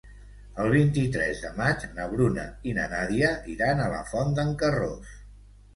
El vint-i-tres de maig na Bruna i na Nàdia iran a la Font d'en Carròs.